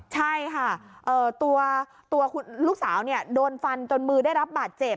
ใช่ค่ะเอ่อตัวตัวคุณลูกสาวเนี่ยโดนฟันตนมือได้รับบาดเจ็บ